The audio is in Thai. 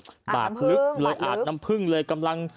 อาดน้ำผึ้งเลยอาดน้ำผึ้งเลยกำลัง